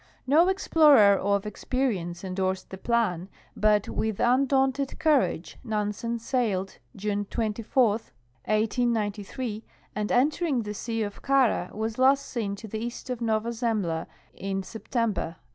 No explorer of experience endorsed the plan, but with undaunted courage Nansen sailed June 24, 1S93, and entering the sea of Kara was last seen to the east of Nova Zernbla in September, 1893.